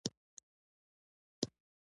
پلار د کور لپاره ستنه ده.